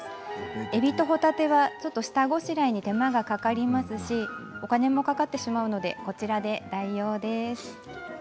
えびとほたては下ごしらえに手間がかかりますしお金もかかってしまうのでこちらで代用です。